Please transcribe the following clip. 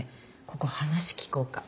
ここ「話聞こう科」。